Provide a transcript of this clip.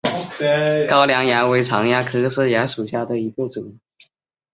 高梁蚜为常蚜科色蚜属下的一个种。